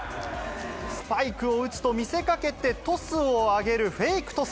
スパイクを打つと見せかけてトスを上げるフェイクトス。